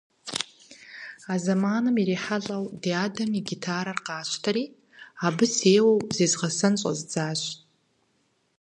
А зэманым ирихьэлӀэу ди адэм и гитарэр къасщтэри, абы сеуэу зезгъэсэн щӀэздзащ.